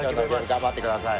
頑張ってください。